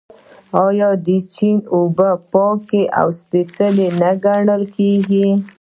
آیا د چینې اوبه پاکې او سپیڅلې نه ګڼل کیږي؟